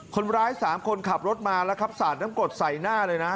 คนร้าย๓คนขับรถมาแล้วครับสาดน้ำกดใส่หน้าเลยนะ